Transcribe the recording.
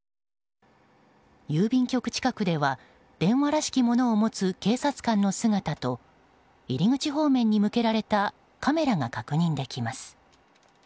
郵便局近くでは電話らしきものを持つ警察官の姿と入口方面に向けられたカメラが確認できます。